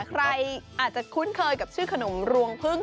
ใครอาจจะคุ้นเคยกับชื่อขนมรวงพึ่ง